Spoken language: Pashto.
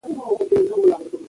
کعبه د مسلمانانو قبله ده.